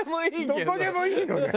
どこでもいいのね！